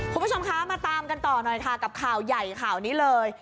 คุณผู้ชมคะมาตามกันต่อหน่อยค่ะกับข่าวใหญ่ข่าวนี้เลย